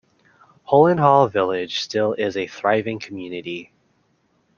Hollin Hall Village still is a thriving community.